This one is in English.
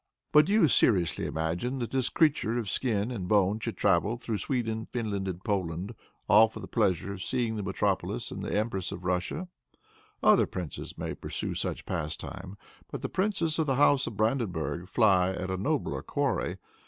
"But do you seriously imagine that this creature of skin and bone should travel through Sweden, Finland and Poland, all for the pleasure of seeing the metropolis and the empress of Russia? Other princes may pursue such pastime; but the princes of the house of Brandenburg fly at a nobler quarry.